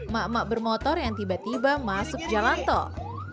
mak mak bermotor yang tiba tiba masuk jalan tol